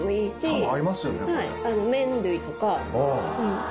多分合いますよね。